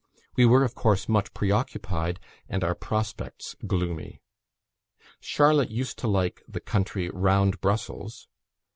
We were, of course, much preoccupied, and our prospects gloomy. Charlotte used to like the country round Brussels.